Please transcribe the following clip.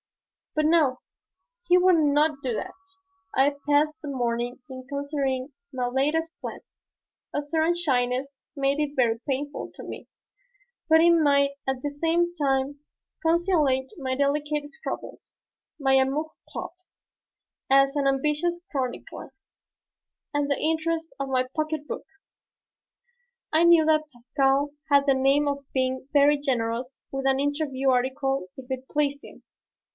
But no, he would not do that. I passed the morning in considering my latest plan. A certain shyness made it very painful to me. But it might at the same time conciliate my delicate scruples, my "amour propre" as an ambitious chronicler, and the interests of my pocket book. I knew that Pascal had the name of being very generous with an interview article if it pleased him.